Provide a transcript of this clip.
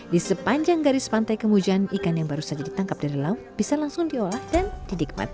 di sepanjang garis pantai kemujan ikan yang baru saja ditangkap dari laut bisa langsung diolah dan didikmati